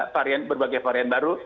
varian berbagai varian baru